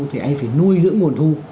thì anh phải nuôi dưỡng nguồn thu